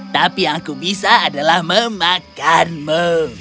tapi yang aku bisa adalah memakanmu